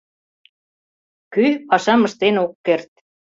Кӧ пашам ыштен ок керт...